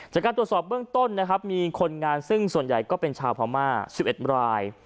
จากการตรวจสอบเบื้องต้นนะครับมีคนงานซึ่งส่วนใหญ่ก็เป็นชาวพม่า๑๑ราย